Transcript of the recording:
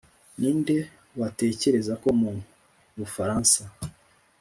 ni nde watekereza ko mu bufaransa,